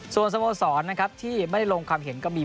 ส่วนสโมสรนะครับที่ไม่ได้ลงความเห็นก็มี